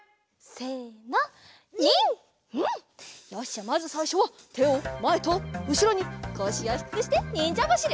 よしまずさいしょはてをまえとうしろにこしをひくくしてにんじゃばしり。